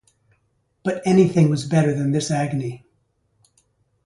But anything was better than this agony!